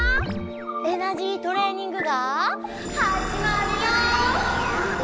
エナジートレーニングがはじまるよ！